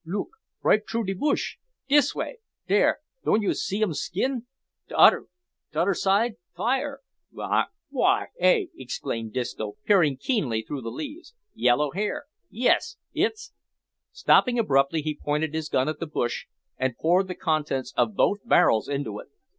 "Look! right troo de bush. Dis way. Dar, don' you zee um's skin, t'other side? Fire!" "Why, eh!" exclaimed Disco, peering keenly through the leaves, "yellow hair! yes its " Stopping abruptly he pointed his gun at the bush and poured the contents of both barrels into it.